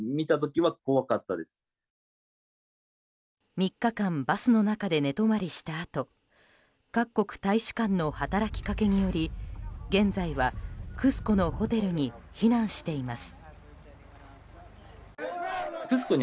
３日間バスの中で寝泊まりしたあと各国大使館の働きかけにより現在はクスコのホテルに避難しています。